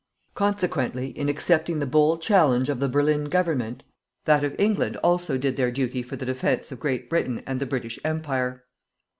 Consequently, in accepting the bold challenge of the Berlin Government, that of England also did their duty for the defence of Great Britain and the British Empire.